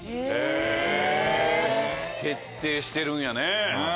へぇ徹底してるんやね。